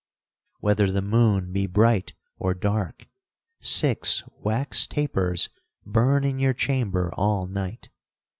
Whether the moon be bright or dark, six wax tapers burn in your chamber all night.